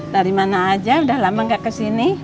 dari mana aja udah lama gak kesini